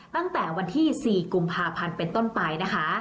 ตั้งแต่วันที่๔กุมภาพันธ์เป็นต้นไปนะคะ